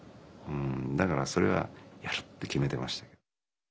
だからそれはやるって決めてました。